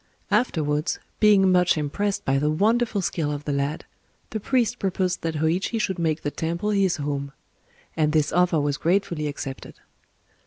Afterwards, being much impressed by the wonderful skill of the lad, the priest proposed that Hōïchi should make the temple his home; and this offer was gratefully accepted.